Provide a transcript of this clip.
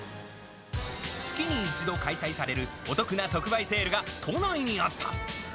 月に１度開催されるお得な特売セールが都内にあった。